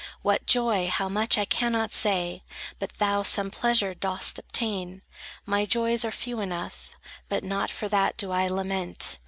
What joy, how much I cannot say; But thou some pleasure dost obtain. My joys are few enough; But not for that do I lament.